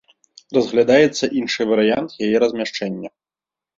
Разглядаецца іншы варыянт яе размяшчэння.